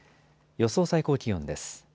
予想最高気温です。